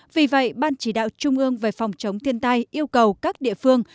vì vậy ban chỉ đạo trung ương về phòng chống thiên tai yêu cầu các địa phương